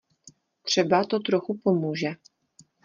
Třeba to trochu pomůže.